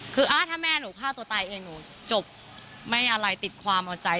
คือถ้าแม่หนูฆ่าตัวตายเองหนูจบไม่อะไรติดความเอาใจ